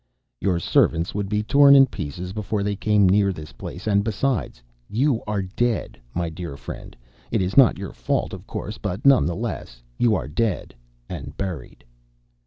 "Your servants would be torn in pieces before they came near this place; and, besides, you are dead, my dear friend. It is not your fault, of course, but none the less you are dead and buried."